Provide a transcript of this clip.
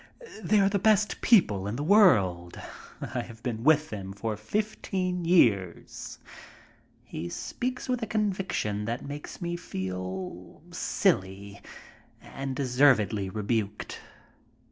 They are the best people in the world. I have been with them for fifteen years." He speaks with a conviction that makes me feel silly and deservedly rebuked.